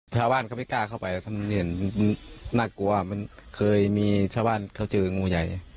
ชาวบ้านเขาไม่กล้าเข้าไปแล้วถ้ามันเห็นน่ากลัวมันเคยมีชาวบ้านเขาเจองูใหญ่